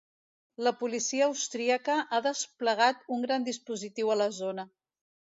La policia austríaca ha desplegat un gran dispositiu a la zona.